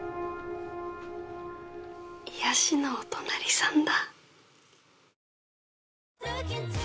癒やしのお隣さんだ。